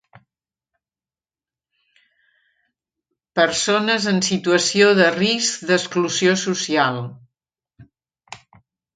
Persones en situació de risc d'exclusió social.